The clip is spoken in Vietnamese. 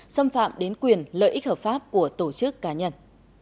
xâm phạm đến quyền lợi ích hợp pháp của tổ chức cá nhân